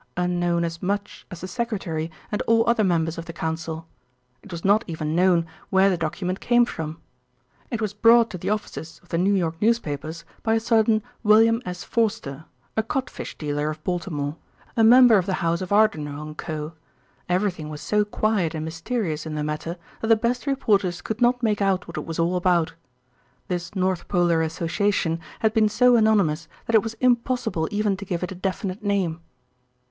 Unknown as much as the Secretary and all other members of the Council. It was not even known where the document came from. It was brought to the offices of the New York newspapers by a certain William S. Forster, a codfish dealer of Baltimore, a member of the house of Ardrinell & Co. Everything was so quiet and mysterious in the matter that the best reporters could not make out what it was all about. This North Polar Association had been so anonymous that it was impossible even to give it a definite name.